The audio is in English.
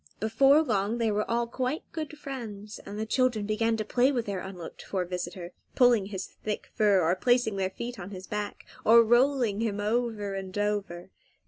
Before long they were all quite good friends, and the children began to play with their unlooked for visitor, pulling his thick fur, or placing their feet on his back, or rolling him over and over.